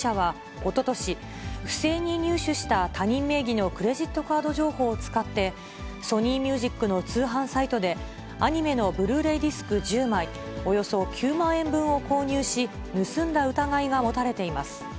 おととし、不正に入手した他人名義のクレジットカード情報を使って、ソニーミュージックの通販サイトで、アニメのブルーレイディスク１０枚およそ９万円分を購入し、盗んだ疑いが持たれています。